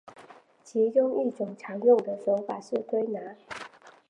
其中一种常用的手法是推拿。